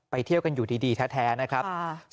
เที่ยวกันอยู่ดีแท้นะครับ